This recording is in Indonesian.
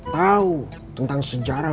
tau tentang sejarah